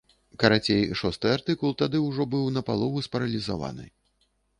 Карацей, шосты артыкул тады быў ўжо напалову спаралізаваны.